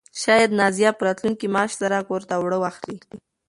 شاید نازیه په راتلونکي معاش سره کور ته اوړه واخلي.